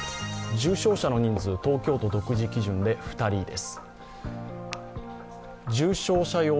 重症者の人数、東京都独自基準で２人です。